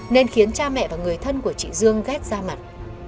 nên khiến cha mẹ và người thân của chị dung ghét ra mặt